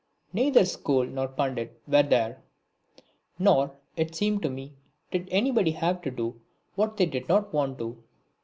Neither school nor Pandit were there; nor, it seemed to me, did anybody have to do what they did not want to.